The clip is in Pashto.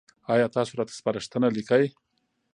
ایا تاسو راته سپارښتنه لیکئ؟